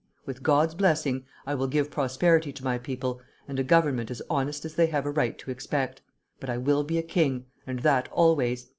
With God's blessing, I will give prosperity to my people, and a government as honest as they have a right to expect; but I will be a king, and that _always!